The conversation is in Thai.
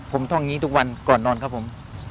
ผมท่องนี้ทุกวันก่อนนอนครับผม